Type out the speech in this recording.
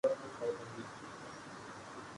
Wasim Akram Pakistan